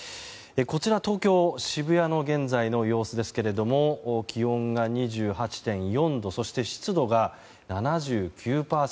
こちら東京・渋谷の現在の様子ですけども気温が２８．４度そして、湿度が７９％。